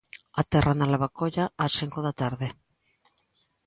Aterra na Lavacolla ás cinco da tarde.